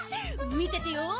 見ててよ。